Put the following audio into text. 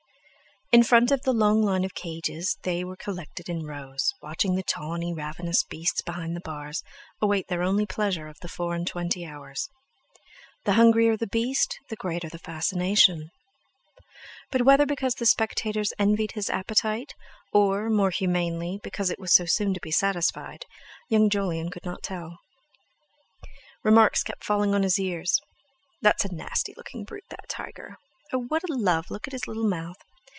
In front of the long line of cages they were collected in rows, watching the tawny, ravenous beasts behind the bars await their only pleasure of the four and twenty hours. The hungrier the beast, the greater the fascination. But whether because the spectators envied his appetite, or, more humanely, because it was so soon to be satisfied, young Jolyon could not tell. Remarks kept falling on his ears: "That's a nasty looking brute, that tiger!" "Oh, what a love! Look at his little mouth!"